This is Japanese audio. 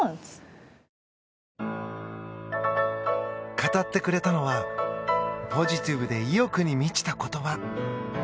語ってくれたのはポジティブで意欲に満ちた言葉。